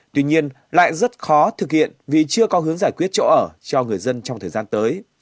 tuy nhiên lại rất khó thực hiện vì chưa có hướng giải quyết chỗ ở cho người dân trong thời gian tới